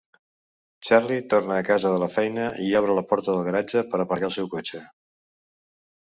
Charlie torna a casa de la feina i obre la porta del garatge per aparcar el seu cotxe.